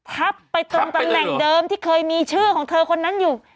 ทับไปตรงตำแหน่งเดิมที่เคยมีชื่อของเธอคนนั้นอยู่